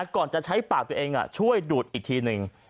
ก่อนจะใช้ปากตัวเองช่วยดูดอีกทีหนึ่ง